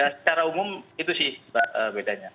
secara umum itu sih bedanya